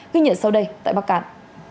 ghi nhận sau đây tại bắc cạn